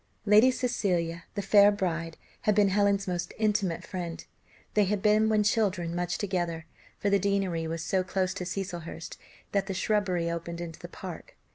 Lady Cecilia, "the fair bride," had been Helen's most intimate friend; they had been when children much together, for the deanery was so close to Cecilhurst, that the shrubbery opened into the park.